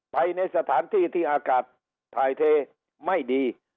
ไปในสถานที่ที่อากาศถ่ายเทไม่ดี